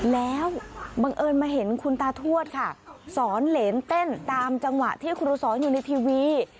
แล้วบังเอิญมาเห็นคุณตาทวดค่ะสอนเหรนเต้นตามจังหวะที่ครูสอนอยู่ในทีวี